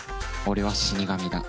俺は死神だ。